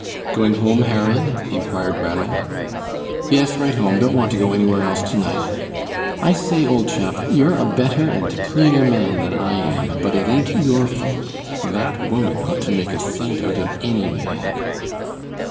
"Going home, Harry?" inquired Ranald. "Yes, right home; don't want to go anywhere else to night. I say, old chap, you're a better and cleaner man than I am, but it ain't your fault. That woman ought to make a saint out of any man."